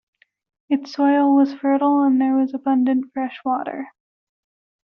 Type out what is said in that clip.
Its soil was fertile and there was abundant fresh water.